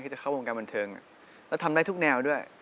จะเข้าวงการบันเทิงแล้วทำได้ทุกแนวด้วย